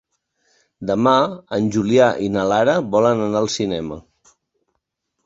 Demà en Julià i na Lara volen anar al cinema.